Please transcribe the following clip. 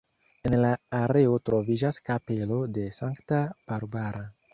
En la areo troviĝas kapelo de sankta Barbara.